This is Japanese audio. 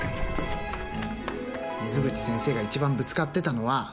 水口先生が一番ぶつかってたのは。